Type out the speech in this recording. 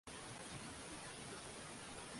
ya ndege pamoja na Magonjwa yanayoathiri mifugo yetu